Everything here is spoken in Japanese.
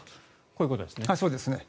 こういうことですね。